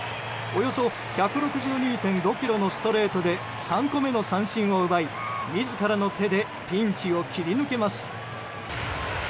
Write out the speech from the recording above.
およそ１６２．５キロのストレートで３個目の三振を奪い自らの手でピンチを切り抜けます。